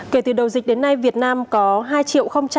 kể từ đầu dịch đến nay việt nam có hai triệu bảy mươi chín